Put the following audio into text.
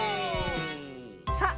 さあ